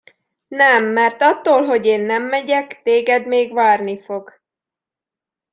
Nem, mert attól, hogy én nem megyek, téged még várni fog.